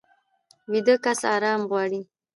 ویده کس ارامي غواړي